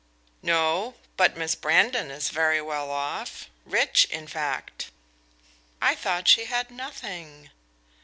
"No; but Miss Brandon is very well off rich, in fact." "I thought she had nothing."